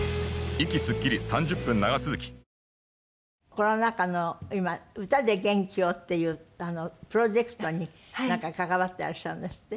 コロナ禍の今「歌で元気を」っていうプロジェクトになんか関わってらっしゃるんですって？